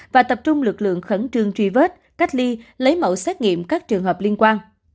và tập trung lực lượng khẩn trương truy vết cách ly lấy mẫu xét nghiệm các trường hợp liên quan